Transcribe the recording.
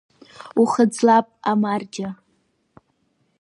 Ухыӡлап, амарџьа!